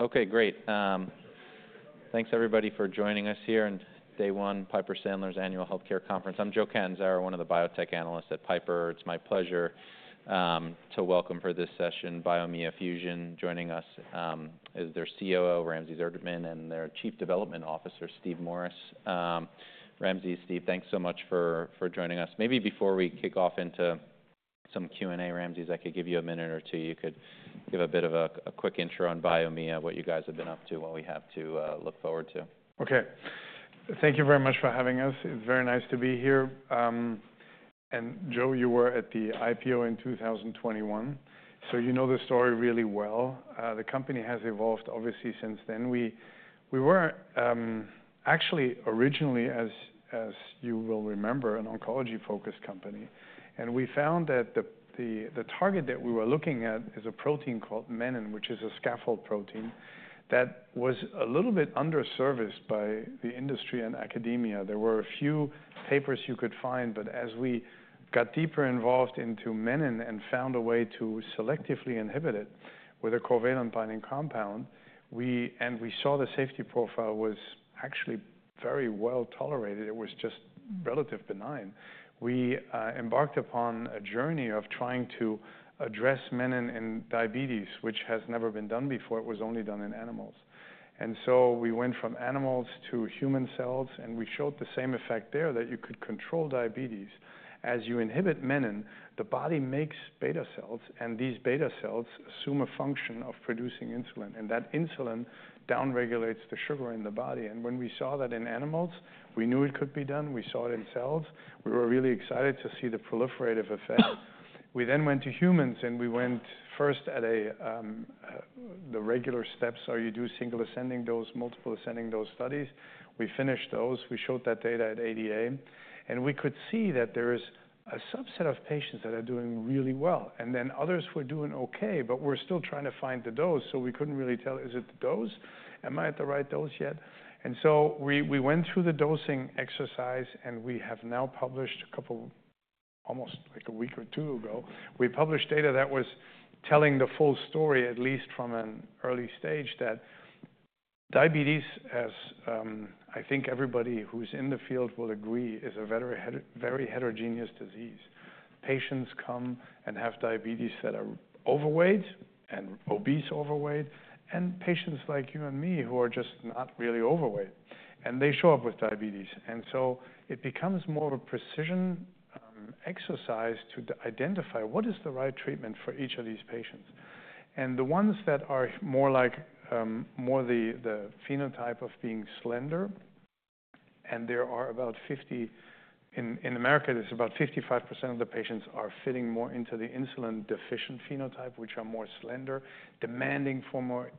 Okay, great. Thanks everybody for joining us here on day one of Piper Sandler's annual healthcare conference. I'm Joseph Catanzaro, one of the biotech analysts at Piper. It's my pleasure to welcome, for this session, Biomea Fusion. Joining us is their COO, Ramses Erdtmann, and their Chief Development Officer, Steve Morris. Ramses, Steve, thanks so much for joining us. Maybe before we kick off into some Q&A, Ramses, I could give you a minute or two. You could give a bit of a quick intro on Biomea, what you guys have been up to, what we have to look forward to. Okay. Thank you very much for having us. It's very nice to be here. And Joseph, you were at the IPO in 2021, so you know the story really well. The company has evolved, obviously, since then. We were actually originally, as you will remember, an oncology-focused company. And we found that the target that we were looking at is a protein called Menin, which is a scaffold protein that was a little bit underserviced by the industry and academia. There were a few papers you could find, but as we got deeper involved into Menin and found a way to selectively inhibit it with a covalent binding compound, we saw the safety profile was actually very well tolerated. It was just relatively benign. We embarked upon a journey of trying to address Menin in diabetes, which has never been done before. It was only done in animals, and so we went from animals to human cells, and we showed the same effect there that you could control diabetes. As you inhibit Menin, the body makes beta cells, and these beta cells assume a function of producing insulin, and that insulin downregulates the sugar in the body, and when we saw that in animals, we knew it could be done. We saw it in cells. We were really excited to see the proliferative effect. We then went to humans, and we went first at a, the regular steps, so you do single ascending dose, multiple ascending dose studies. We finished those. We showed that data at ADA, and we could see that there is a subset of patients that are doing really well, and then others were doing okay, but we're still trying to find the dose. So we couldn't really tell, is it the dose? Am I at the right dose yet? And so we went through the dosing exercise, and we have now published a couple almost like a week or two ago. We published data that was telling the full story, at least from an early stage, that diabetes, as I think everybody who's in the field will agree, is a very, very heterogeneous disease. Patients come and have diabetes that are overweight and obese overweight, and patients like you and me who are just not really overweight, and they show up with diabetes. And so it becomes more of a precision exercise to identify what is the right treatment for each of these patients. The ones that are more like the phenotype of being slender, and there are about 50, in America it's about 55% of the patients are fitting more into the insulin-deficient phenotype, which are more slender, demanding for more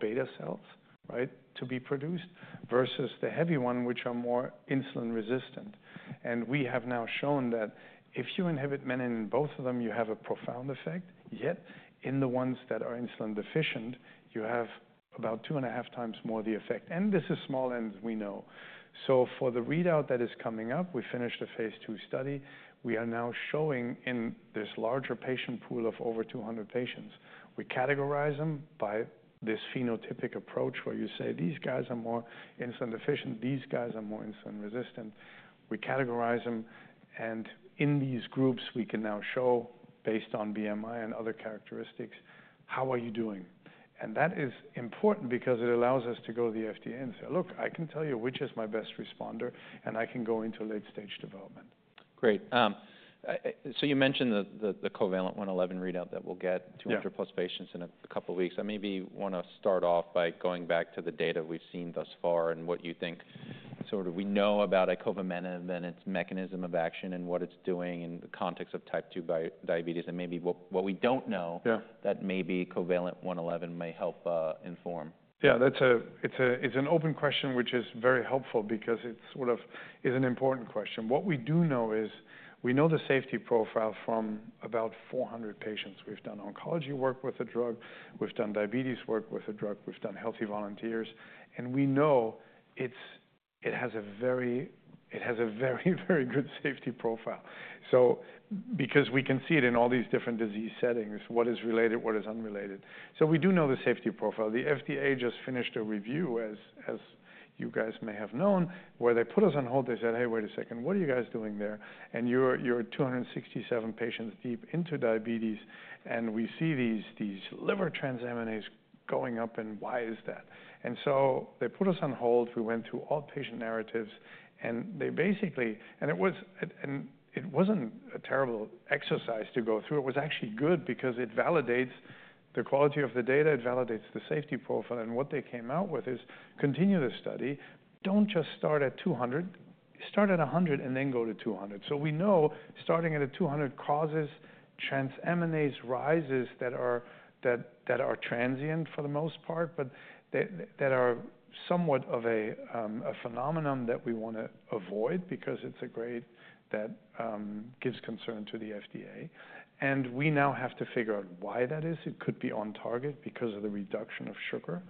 beta cells, right, to be produced, versus the heavy one, which are more insulin resistant. We have now shown that if you inhibit Menin in both of them, you have a profound effect. Yet in the ones that are insulin deficient, you have about two and a half times more the effect. This is small n's, we know. For the readout that is coming up, we finished a phase two study. We are now showing in this larger patient pool of over 200 patients, we categorize them by this phenotypic approach where you say, "These guys are more insulin deficient. These guys are more insulin resistant. We categorize them, and in these groups, we can now show, based on BMI and other characteristics, how are you doing. And that is important because it allows us to go to the FDA and say, "Look, I can tell you which is my best responder, and I can go into late-stage development. Great. So you mentioned the COVALENT-111 readout that we'll get 200-plus patients in a couple of weeks. I maybe want to start off by going back to the data we've seen thus far and what you think sort of we know about icovamenib, then its mechanism of action and what it's doing in the context of type 2 diabetes, and maybe what we don't know that maybe COVALENT-111 may help inform. Yeah, that's—it's an open question, which is very helpful because it sort of is an important question. What we do know is we know the safety profile from about 400 patients. We've done oncology work with the drug. We've done diabetes work with the drug. We've done healthy volunteers. And we know it has a very, very good safety profile. So because we can see it in all these different disease settings, what is related, what is unrelated. So we do know the safety profile. The FDA just finished a review, as you guys may have known, where they put us on hold. They said, "Hey, wait a second. What are you guys doing there? And you're 267 patients deep into diabetes, and we see these liver transaminases going up. And why is that?" And so they put us on hold. We went through all patient narratives, and they basically said it wasn't a terrible exercise to go through. It was actually good because it validates the quality of the data. It validates the safety profile. And what they came out with is, "Continue the study. Don't just start at 200. Start at 100 and then go to 200." So we know starting at 200 causes transaminase rises that are transient for the most part, but that are somewhat of a phenomenon that we want to avoid because it's a grade that gives concern to the FDA. And we now have to figure out why that is. It could be on target because of the reduction of sugar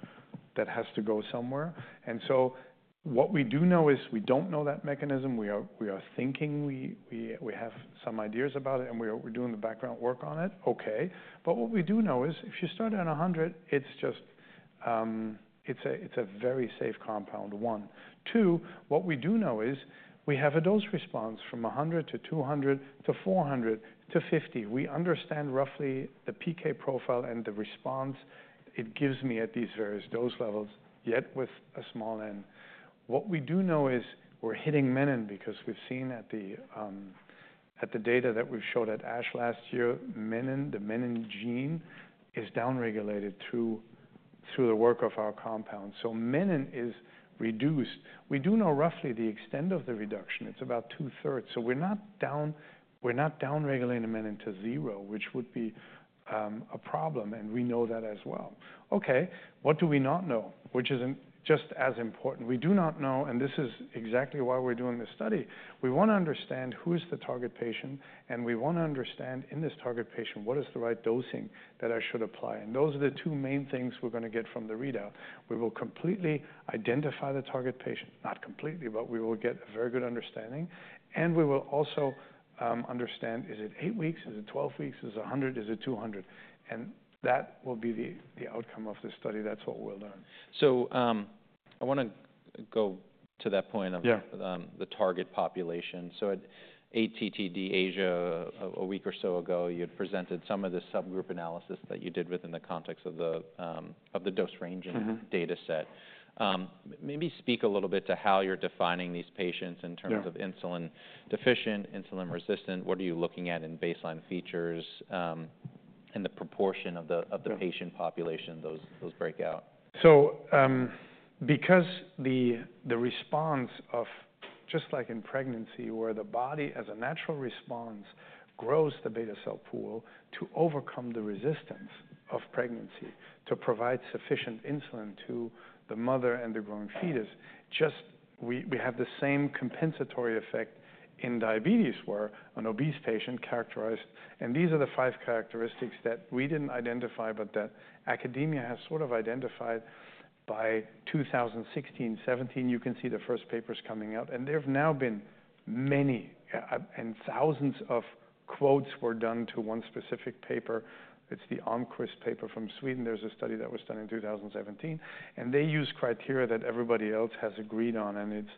that has to go somewhere. And so what we do know is we don't know that mechanism. We are thinking we have some ideas about it, and we're doing the background work on it. Okay. But what we do know is if you start at 100, it's just, it's a very safe compound. One. Two, what we do know is we have a dose response from 100 to 200 to 400 to 50. We understand roughly the PK profile and the response it gives me at these various dose levels, yet with a small end. What we do know is we're hitting Menin because we've seen the data that we showed at ASH last year, Menin, the Menin gene is downregulated through the work of our compound. So Menin is reduced. We do know roughly the extent of the reduction. It's about two-thirds. So we're not downregulating Menin to zero, which would be a problem. We know that as well. Okay. What do we not know, which isn't just as important? We do not know, and this is exactly why we're doing this study. We want to understand who is the target patient, and we want to understand in this target patient what is the right dosing that I should apply. And those are the two main things we're going to get from the readout. We will completely identify the target patient. Not completely, but we will get a very good understanding. And we will also understand, is it eight weeks? Is it 12 weeks? Is it 100? Is it 200? And that will be the outcome of this study. That's what we'll learn. So, I want to go to that point of the target population. So at ATTD Asia, a week or so ago, you had presented some of the subgroup analysis that you did within the context of the dose range and data set. Maybe speak a little bit to how you're defining these patients in terms of insulin deficient, insulin resistant. What are you looking at in baseline features, and the proportion of the patient population? Those breakout. Because the response of just like in pregnancy, where the body as a natural response grows the beta cell pool to overcome the resistance of pregnancy to provide sufficient insulin to the mother and the growing fetus, just we have the same compensatory effect in diabetes where an obese patient characterized. These are the five characteristics that we didn't identify, but that academia has sort of identified by 2016, 2017. You can see the first papers coming out. There've now been many, and thousands of citations were done to one specific paper. It's the Ahlqvist paper from Sweden. There's a study that was done in 2017, and they use criteria that everybody else has agreed on. It's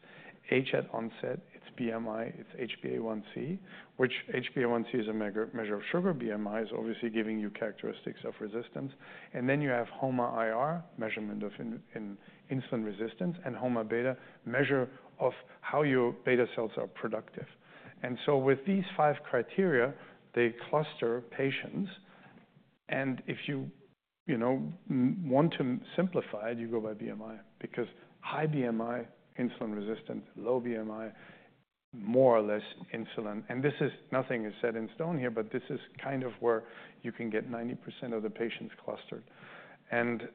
age at onset, it's BMI, it's HbA1c, which HbA1c is a measure of sugar. BMI is obviously giving you characteristics of resistance. And then you have HOMA-IR, measurement of in insulin resistance, and HOMA-Beta, measure of how your beta cells are productive. And so with these five criteria, they cluster patients. And if you, you know, want to simplify it, you go by BMI because high BMI, insulin resistant, low BMI, more or less insulin. And this is nothing set in stone here, but this is kind of where you can get 90% of the patients clustered. And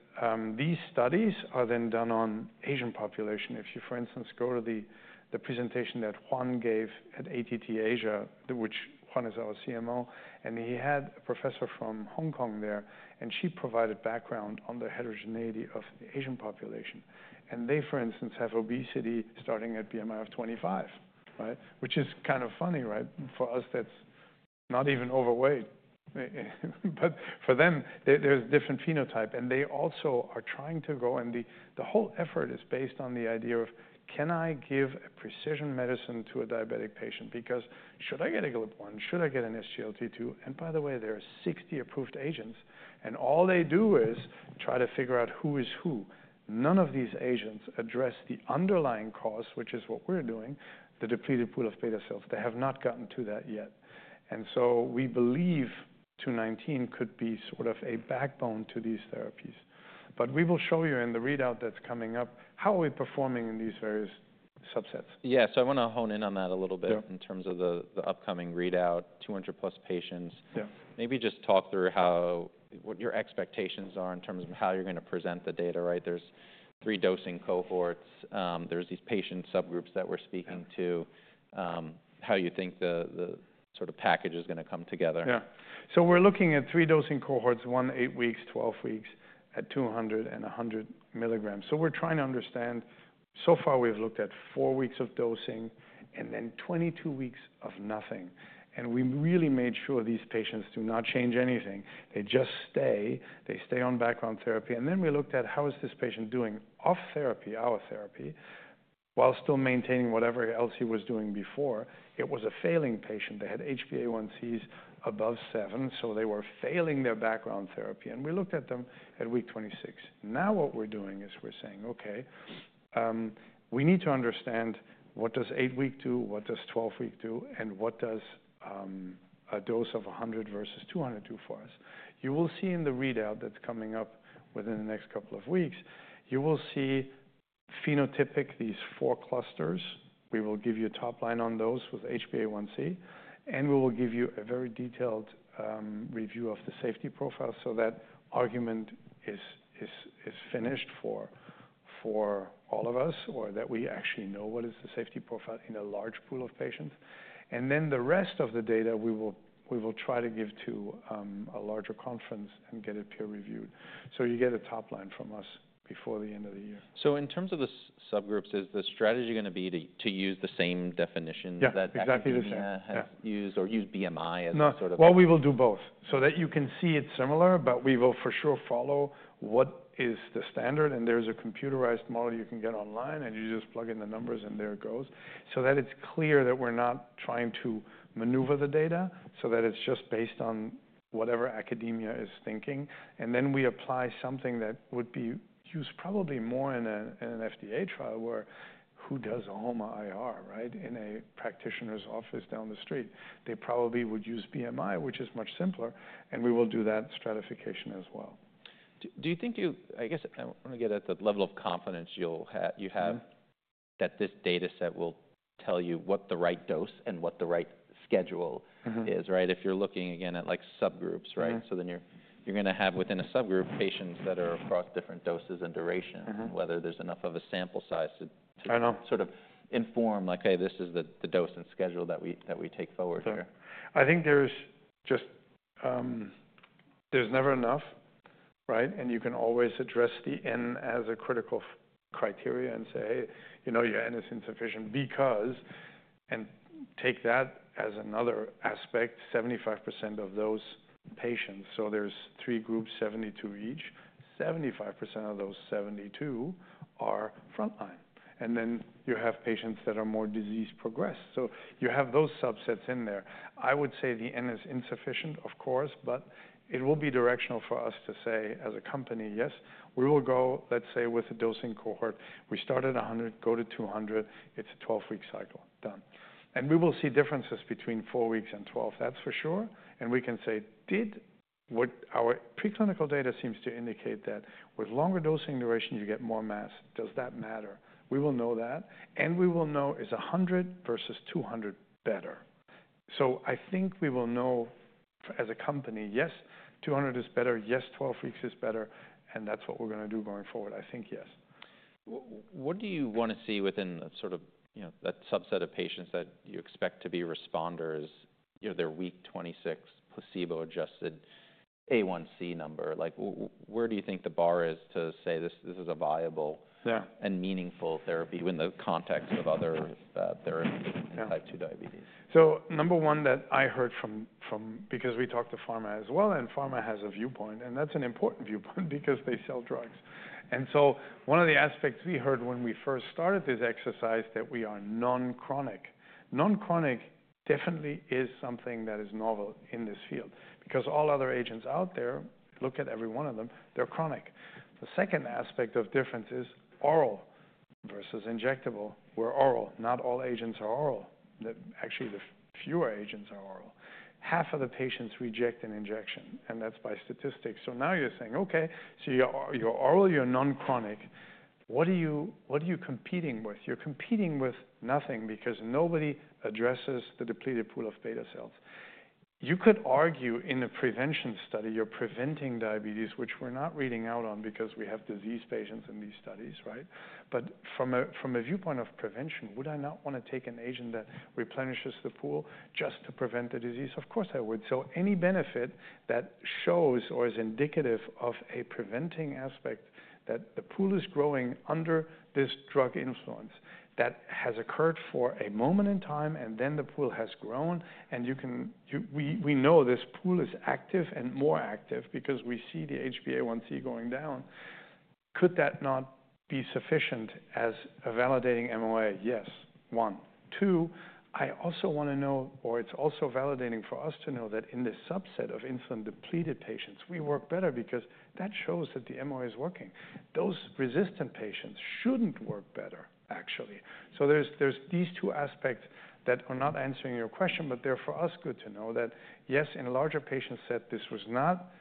these studies are then done on Asian population. If you, for instance, go to the presentation that Juan gave at ATTD Asia, which Juan is our CMO, and he had a professor from Hong Kong there, and she provided background on the heterogeneity of the Asian population. And they, for instance, have obesity starting at BMI of 25, right? Which is kind of funny, right? For us, that's not even overweight. But for them, there's a different phenotype. And they also are trying to go and the whole effort is based on the idea of, "Can I give a precision medicine to a diabetic patient? Because should I get a GLP-1? Should I get an SGLT2?" And by the way, there are 60 approved agents, and all they do is try to figure out who is who. None of these agents address the underlying cause, which is what we're doing, the depleted pool of beta cells. They have not gotten to that yet. And so we believe 219 could be sort of a backbone to these therapies. But we will show you in the readout that's coming up how are we performing in these various subsets. Yeah. So I want to hone in on that a little bit in terms of the, the upcoming readout, 200-plus patients. Maybe just talk through how what your expectations are in terms of how you're going to present the data, right? There's three dosing cohorts. There's these patient subgroups that we're speaking to, how you think the, the sort of package is going to come together. Yeah, so we're looking at three dosing cohorts, one eight weeks, 12 weeks at 200 and 100 milligrams, so we're trying to understand so far we've looked at four weeks of dosing and then 22 weeks of nothing. And we really made sure these patients do not change anything. They just stay on background therapy. And then we looked at how is this patient doing off therapy, our therapy, while still maintaining whatever else he was doing before. It was a failing patient. They had HbA1c's above seven, so they were failing their background therapy. And we looked at them at week 26. Now what we're doing is we're saying, "Okay, we need to understand what does eight week do, what does 12 week do, and what does a dose of 100 versus 200 do for us." You will see in the readout that's coming up within the next couple of weeks you will see phenotypic these four clusters. We will give you top line on those with HbA1c, and we will give you a very detailed review of the safety profile. So that argument is finished for all of us, or that we actually know what is the safety profile in a large pool of patients. Then the rest of the data we will try to give to a larger conference and get it peer reviewed. So you get a top line from us before the end of the year. So in terms of the subgroups, is the strategy going to be to use the same definition that academia has used or use BMI as a sort of? We will do both so that you can see it's similar, but we will for sure follow what is the standard. And there's a computerized model you can get online, and you just plug in the numbers and there it goes so that it's clear that we're not trying to maneuver the data, so that it's just based on whatever academia is thinking. And then we apply something that would be used probably more in an FDA trial where who does HOMA-IR, right, in a practitioner's office down the street? They probably would use BMI, which is much simpler. And we will do that stratification as well. Do you think you, I guess I want to get at the level of confidence you'll have, you have that this data set will tell you what the right dose and what the right schedule is, right? If you're looking again at like subgroups, right? So then you're, you're going to have within a subgroup patients that are across different doses and durations, whether there's enough of a sample size to sort of inform like, "Hey, this is the dose and schedule that we, that we take forward here. I think there's just, there's never enough, right? And you can always address the N as a critical criteria and say, "Hey, you know, your N is insufficient because," and take that as another aspect, 75% of those patients. So there's three groups, 72 each. 75% of those 72 are frontline. And then you have patients that are more disease progressed. So you have those subsets in there. I would say the N is insufficient, of course, but it will be directional for us to say as a company, "Yes, we will go, let's say with a dosing cohort. We start at 100, go to 200. It's a 12-week cycle. Done." And we will see differences between 4 weeks and 12, that's for sure. And we can say, "Did what our preclinical data seems to indicate that with longer dosing duration, you get more mass? “Does that matter?” We will know that and we will know, is 100 versus 200 better, so I think we will know as a company, “Yes, 200 is better. Yes, 12 weeks is better,” and that's what we're going to do going forward. I think yes. What do you want to see within that sort of, you know, that subset of patients that you expect to be responders, you know, their week 26 placebo-adjusted A1c number? Like, where do you think the bar is to say this, this is a viable and meaningful therapy in the context of other therapies in type 2 diabetes? So number one that I heard from, because we talked to pharma as well, and pharma has a viewpoint, and that's an important viewpoint because they sell drugs. One of the aspects we heard when we first started this exercise that we are non-chronic. Non-chronic definitely is something that is novel in this field because all other agents out there, look at every one of them, they're chronic. The second aspect of difference is oral versus injectable, where oral, not all agents are oral. Actually, the fewer agents are oral. Half of the patients reject an injection, and that's by statistics. So now you're saying, "Okay, so you're oral, you're non-chronic. What are you, what are you competing with?" You're competing with nothing because nobody addresses the depleted pool of beta cells. You could argue in a prevention study, you're preventing diabetes, which we're not reading out on because we have disease patients in these studies, right? But from a viewpoint of prevention, would I not want to take an agent that replenishes the pool just to prevent the disease? Of course I would. So any benefit that shows or is indicative of a preventing aspect that the pool is growing under this drug influence that has occurred for a moment in time, and then the pool has grown, and you can, we know this pool is active and more active because we see the HbA1c going down, could that not be sufficient as a validating MOA? Yes. One. Two, I also want to know, or it's also validating for us to know that in this subset of insulin-depleted patients, we work better because that shows that the MOA is working. Those resistant patients shouldn't work better, actually. So there's these two aspects that are not answering your question, but they're for us good to know that yes, in a larger patient set, this was not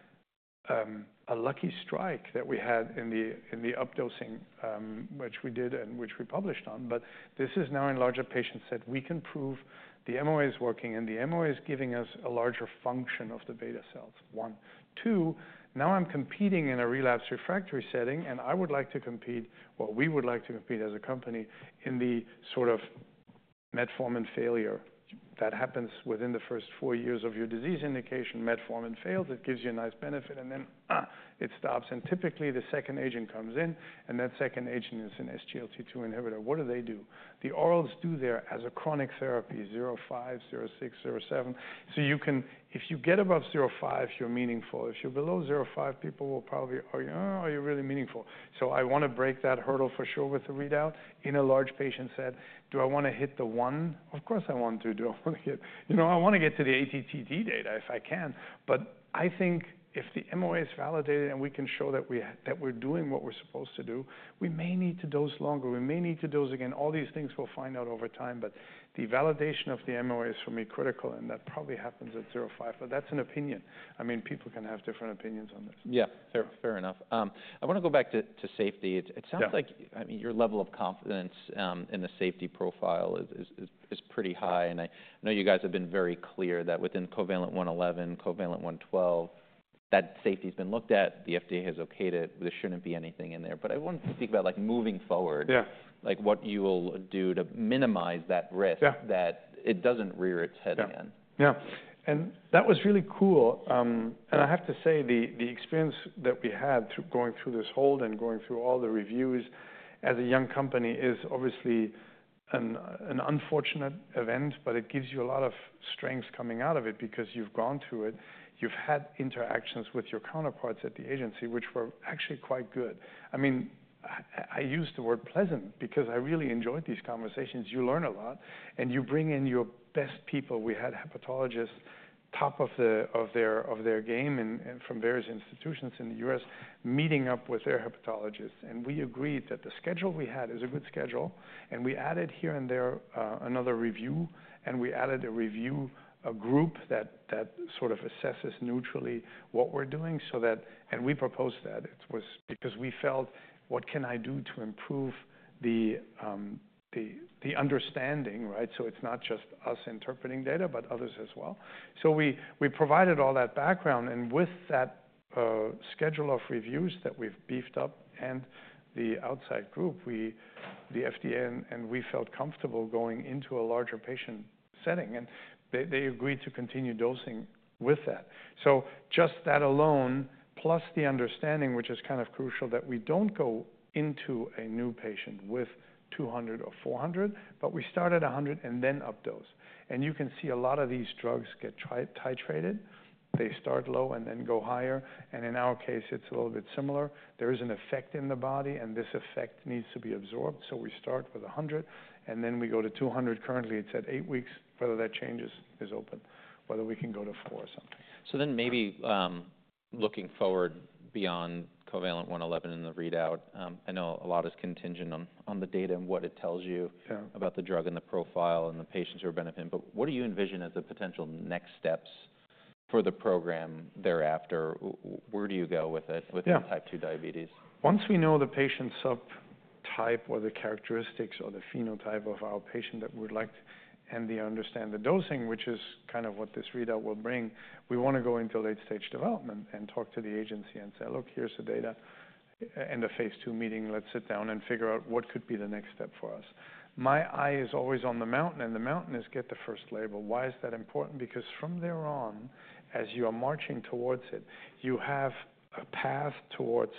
a lucky strike that we had in the updosing, which we did and which we published on, but this is now in a larger patient set. We can prove the MOA is working, and the MOA is giving us a larger function of the beta cells. One. Too, now I'm competing in a relapse refractory setting, and I would like to compete, or we would like to compete as a company in the sort of Metformin failure that happens within the first four years of your disease indication. Metformin fails. It gives you a nice benefit, and then it stops. And typically the second agent comes in, and that second agent is an SGLT2 inhibitor. What do they do? The orals do 0.5%, 0.6%, 0.7% as a chronic therapy. So you can, if you get above 0.5%, you're meaningful. If you're below 0.5%, people will probably, "Are you really meaningful?" So I want to break that hurdle for sure with the readout in a large patient set. Do I want to hit the 1%? Of course I want to. Do I want to get, you know, I want to get to the ATTD data if I can. But I think if the MOA is validated and we can show that we, that we're doing what we're supposed to do, we may need to dose longer. We may need to dose again. All these things we'll find out over time, but the validation of the MOA is for me critical, and that probably happens at 05, but that's an opinion. I mean, people can have different opinions on this. Yeah. Fair, fair enough. I want to go back to safety. It sounds like, I mean, your level of confidence in the safety profile is pretty high. And I know you guys have been very clear that within COVALENT-111, COVALENT-112, that safety has been looked at. The FDA has okayed it. There shouldn't be anything in there. But I want to speak about like moving forward, like what you will do to minimize that risk that it doesn't rear its head again. Yeah. And that was really cool. And I have to say the experience that we had through going through this hold and going through all the reviews as a young company is obviously an unfortunate event, but it gives you a lot of strength coming out of it because you've gone through it. You've had interactions with your counterparts at the agency, which were actually quite good. I mean, I use the word pleasant because I really enjoyed these conversations. You learn a lot, and you bring in your best people. We had hepatologists, top of their game and from various institutions in the U.S. meeting up with their hepatologists. We agreed that the schedule we had is a good schedule, and we added here and there another review, and we added a review, a group that sort of assesses neutrally what we're doing so that, and we proposed that it was because we felt, "What can I do to improve the understanding, right?" It's not just us interpreting data, but others as well. We provided all that background, and with that, schedule of reviews that we've beefed up and the outside group, the FDA and we felt comfortable going into a larger patient setting, and they agreed to continue dosing with that. Just that alone, plus the understanding, which is kind of crucial that we don't go into a new patient with 200 or 400, but we start at 100 and then updose. You can see a lot of these drugs get titrated. They start low and then go higher. In our case, it's a little bit similar. There is an effect in the body, and this effect needs to be absorbed. So we start with 100, and then we go to 200. Currently, it's at eight weeks. Whether that changes is open, whether we can go to four or something. So then maybe, looking forward beyond COVALENT-111 in the readout, I know a lot is contingent on the data and what it tells you about the drug and the profile and the patients who are benefiting. But what do you envision as the potential next steps for the program thereafter? Where do you go with it, with type 2 diabetes? Once we know the patient's subtype or the characteristics or the phenotype of our patient that we'd like, and they understand the dosing, which is kind of what this readout will bring, we want to go into late stage development and talk to the agency and say, "Look, here's the data," and the phase two meeting, let's sit down and figure out what could be the next step for us. My eye is always on the mountain, and the mountain is get the first label. Why is that important? Because from there on, as you are marching towards it, you have a path towards,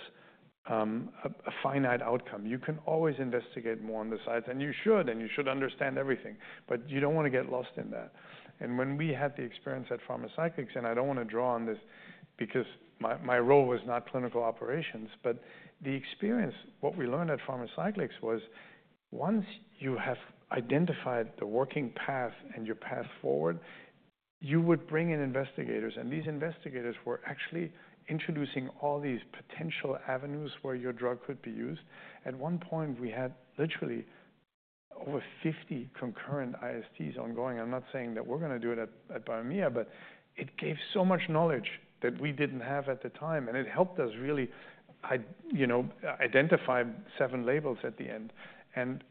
a finite outcome. You can always investigate more on the sides, and you should, and you should understand everything, but you don't want to get lost in that. When we had the experience at Pharmacyclics, and I don't want to draw on this because my role was not clinical operations, but the experience, what we learned at Pharmacyclics was once you have identified the working path and your path forward, you would bring in investigators, and these investigators were actually introducing all these potential avenues where your drug could be used. At one point, we had literally over 50 concurrent ISTs ongoing. I'm not saying that we're going to do it at Biomea, but it gave so much knowledge that we didn't have at the time, and it helped us really, you know, identify seven labels at the end.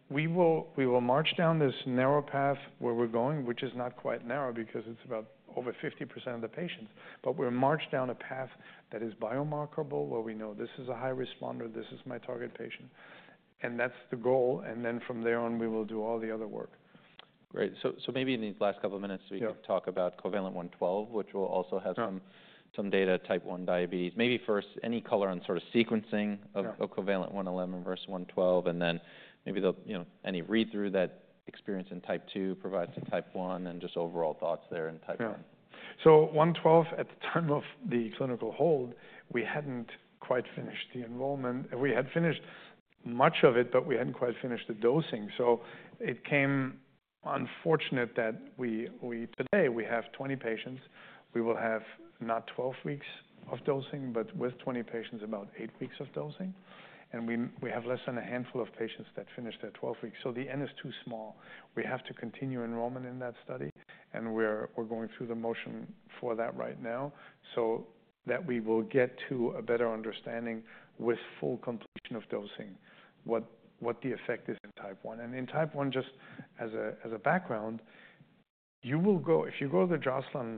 We will, we will march down this narrow path where we're going, which is not quite narrow because it's about over 50% of the patients, but we're marching down a path that is remarkable where we know this is a high responder, this is my target patient, and that's the goal. Then from there on, we will do all the other work. Great. So maybe in these last couple of minutes, we could talk about COVALENT-112, which will also have some data type 1 diabetes. Maybe first, any color on sort of sequencing of COVALENT-111 versus 112, and then maybe the, you know, any read-through that experience in type 2 provides to type 1 and just overall thoughts there in type 1. So, 112, at the time of the clinical hold, we hadn't quite finished the enrollment. We had finished much of it, but we hadn't quite finished the dosing. So it came unfortunate that today we have 20 patients. We will have not 12 weeks of dosing, but with 20 patients, about eight weeks of dosing. And we have less than a handful of patients that finished at 12 weeks. So the n is too small. We have to continue enrollment in that study, and we're going through the motions for that right now so that we will get to a better understanding with full completion of dosing what the effect is in type 1. In type 1, just as a background, you will go, if you go to the Joslin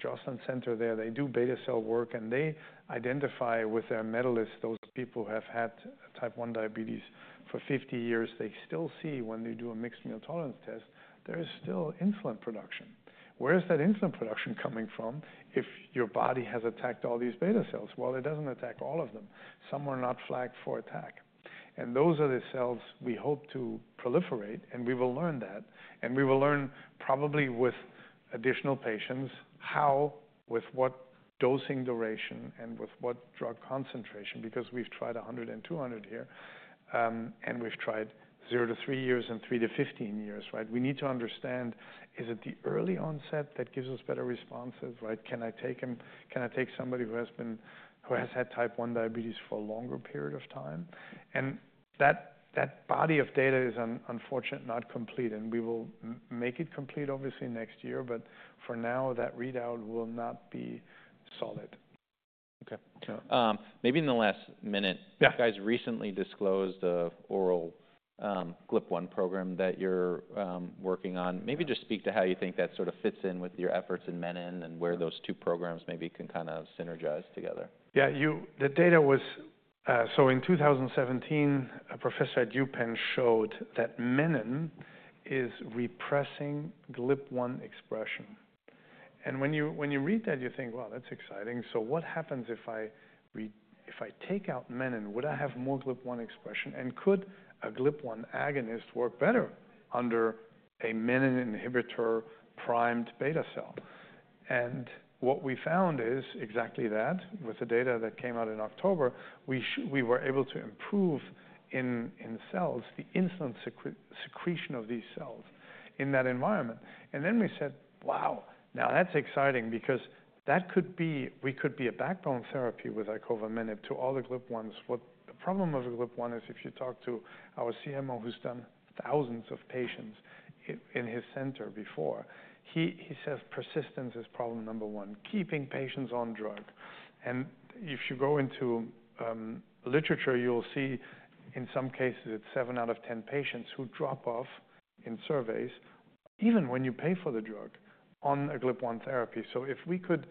Diabetes Center there, they do beta cell work, and they identify their medalists, those people who have had type 1 diabetes for 50 years. They still see when they do a mixed meal tolerance test, there is still insulin production. Where is that insulin production coming from if your body has attacked all these beta cells? Well, it doesn't attack all of them. Some are not flagged for attack. Those are the cells we hope to proliferate, and we will learn that, and we will learn probably with additional patients how, with what dosing duration and with what drug concentration, because we've tried 100 and 200 here, and we've tried 0 to 3 years and 3 to 15 years, right? We need to understand, is it the early onset that gives us better responses, right? Can I take him, can I take somebody who has been, who has had type 1 diabetes for a longer period of time? That body of data is unfortunately not complete, and we will make it complete, obviously, next year, but for now, that readout will not be solid. Okay. Maybe in the last minute, you guys recently disclosed the oral GLP-1 program that you're working on. Maybe just speak to how you think that sort of fits in with your efforts in Menin and where those two programs maybe can kind of synergize together? Yeah. The data was, so in 2017, a professor at UPenn showed that Menin is repressing GLP-1 expression. When you read that, you think, "Wow, that's exciting." What happens if I take out Menin? Would I have more GLP-1 expression? Could a GLP-1 agonist work better under a Menin inhibitor primed beta cell? What we found is exactly that with the data that came out in October. We were able to improve in cells the insulin secretion of these cells in that environment. And then we said, "Wow, now that's exciting because that could be, we could be a backbone therapy with icovamenib to all the GLP-1s." What the problem of GLP-1 is, if you talk to our CMO, who's done thousands of patients in his center before, he, he says persistence is problem number one, keeping patients on drug. And if you go into, literature, you'll see in some cases it's seven out of ten patients who drop off in surveys, even when you pay for the drug on a GLP-1 therapy. So if we could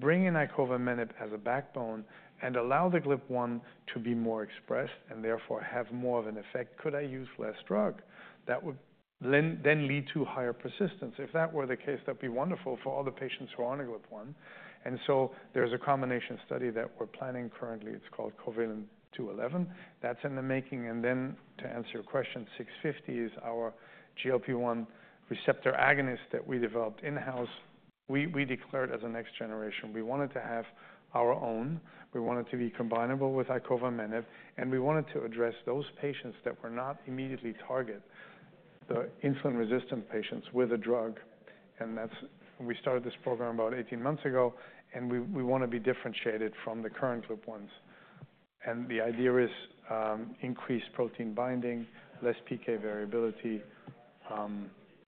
bring in icovamenib as a backbone and allow the GLP-1 to be more expressed and therefore have more of an effect, could I use less drug? That would then lead to higher persistence. If that were the case, that'd be wonderful for all the patients who are on a GLP-1. There's a combination study that we're planning currently. It's called COVALENT-211. That's in the making. To answer your question, 650 is our GLP-1 receptor agonist that we developed in-house. We declared as a next generation, we wanted to have our own. We wanted to be combinable with icovamenib, and we wanted to address those patients that were not immediately targeted, the insulin resistant patients with a drug. We started this program about 18 months ago, and we want to be differentiated from the current GLP-1s. The idea is, increased protein binding, less PK variability,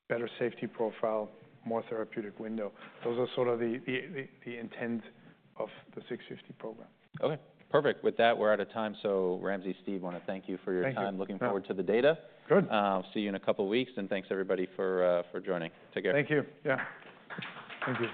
better safety profile, more therapeutic window. Those are sort of the intent of the 650 program. Okay. Perfect. With that, we're out of time. So, Ramses, Steve, want to thank you for your time. Looking forward to the data. Good. See you in a couple of weeks. And thanks everybody for joining. Take care. Thank you. Yeah. Thank you.